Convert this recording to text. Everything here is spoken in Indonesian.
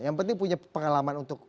yang penting punya pengalaman untuk